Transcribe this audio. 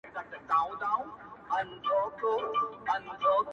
ما ستا لپاره په خزان کي هم کرل گلونه.